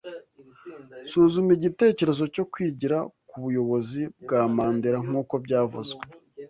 Suzuma igitekerezo cyo kwigira ku buyobozi bwa Mandela nkuko byavuzwe